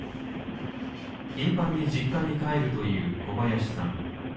頻繁に実家に帰るという小林さん。